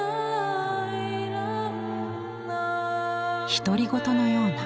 独り言のような。